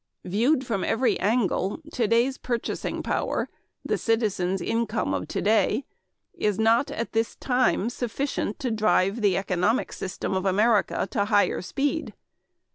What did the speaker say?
Viewed from every angle, today's purchasing power the citizens' income of today is not at this time sufficient to drive the economic system of America at higher speed.